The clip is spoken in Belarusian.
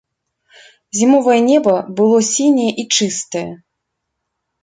Зімовае неба было сіняе і чыстае.